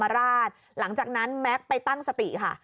ราชหลังจากนั้นแม็กซ์ไปตั้งสติค่ะ